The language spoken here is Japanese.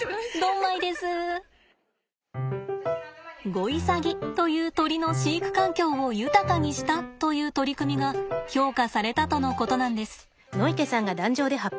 ゴイサギという鳥の飼育環境を豊かにしたという取り組みが評価されたとのことなんです。